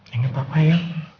inget papa ya